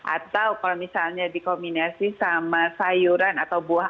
atau kalau misalnya dikombinasi sama sayuran atau buah